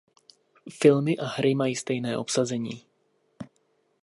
Filmy a hry mají stejné obsazení.